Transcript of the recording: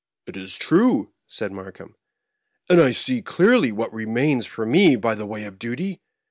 "It is true," said Markheim; "and I see clearly what remains for me by way of duty.